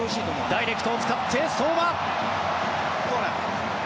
ダイレクトを使って相馬。